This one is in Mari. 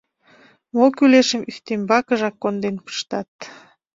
Мо кӱлешым ӱстембакыжак конден пыштат.